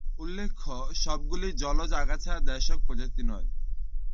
উল্লেখ্য, সবগুলি জলজ আগাছা দেশজ প্রজাতি নয়।